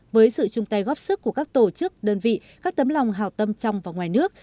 với sự chung tay góp sức của các tổ chức đơn vị các tấm lòng hào tâm trong và ngoài nước